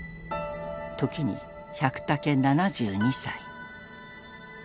時に百武７２歳。